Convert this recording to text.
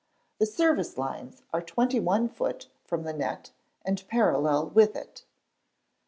The service lines are 21 ft. from the net and parallel with it.